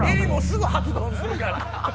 『襟裳』すぐ発動するから。